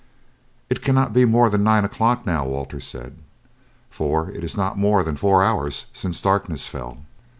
"It cannot be more than nine o'clock now," Walter said, "for it is not more than four hours since darkness fell.